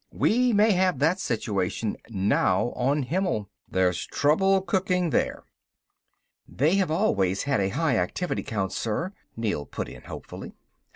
We may have that situation now on Himmel. There's trouble cooking there." "They have always had a high activity count, sir," Neel put in hopefully.